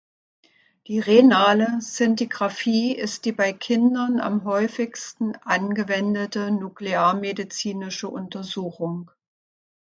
Die renale Szintigrafie ist die bei Kindern am häufigsten angewendete nuklearmedizinische Untersuchung.